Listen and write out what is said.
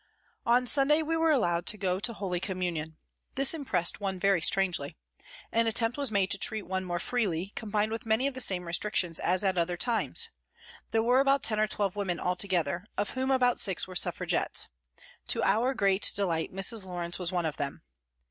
On Sunday we were allowed to go to Holy Com munion. This impressed one very strangely. An attempt was made to treat one more freely, combined with many of the same restrictions as at other times. There were about ten or twelve women altogether, of whom about six were Suffragettes. To our great delight Mrs. Lawrence was one of them.